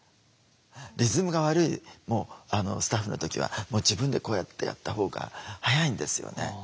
リズムが悪いスタッフの時はもう自分でこうやってやったほうが速いんですよね。